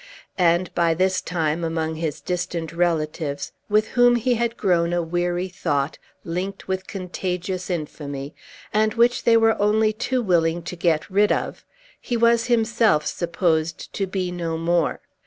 And, by this time, among his distant relatives, with whom he had grown a weary thought, linked with contagious infamy, and which they were only too willing to get rid of, he was himself supposed to be no more.